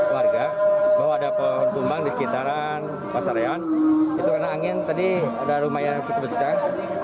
warga bahwa ada pembunuhan di sekitaran pasarian itu karena angin tadi ada rumah yang cukup